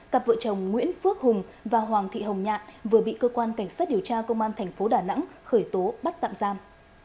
cặp vợ chồng nguyễn phước hùng và hoàng thị hồng nhạn vừa bị cơ quan cảnh sát điều tra công an thành phố đà nẵng khởi tố bắt tạm giam